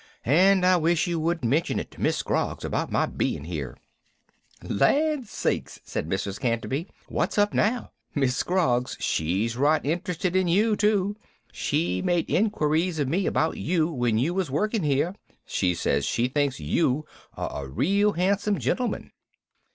And I wish you wouldn't mention to Miss Scroggs about my being here." "Land sakes!" said Mrs. Canterby. "What's up now? Miss Scroggs she's right interested in you, too. She made inquiries of me about you when you was working here. She says she thinks you are a real handsome gentleman."